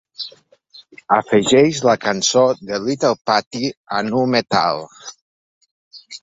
Afegeix la cançó de Little Patie a Nu Metal.